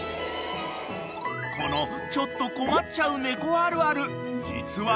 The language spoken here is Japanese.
［このちょっと困っちゃう猫あるある実は］